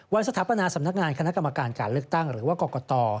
สถาปนาสำนักงานคณะกรรมการการเลือกตั้งหรือว่ากรกต